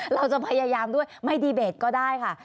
เราจะพยายามด้วยไม่ดีเบตก็ได้ค่ะ